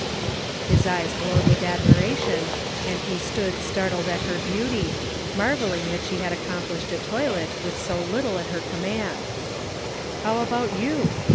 His eyes glowed with admiration, and he stood startled at her beauty, marvelling that she had accom plished a toilet with so little at her command. "How about you?"